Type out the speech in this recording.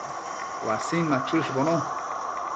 uasin machëshbono